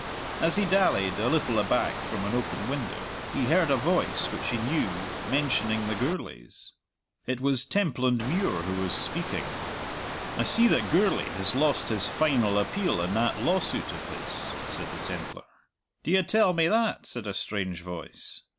As he dallied, a little aback from an open window, he heard a voice which he knew mentioning the Gourlays. It was Templandmuir who was speaking. "I see that Gourlay has lost his final appeal in that lawsuit of his," said the Templar. "D'ye tell me that?" said a strange voice.